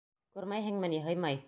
Күрмәйһеңме ни, һыймай!